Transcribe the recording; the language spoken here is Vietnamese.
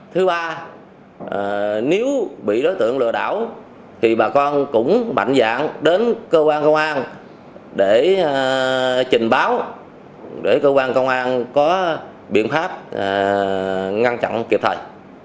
thứ ba nếu bị đối tượng lừa đảo thì bà con cũng mạnh dạng đến cơ quan công an để trình báo để cơ quan công an có biện pháp ngăn chặn kịp thời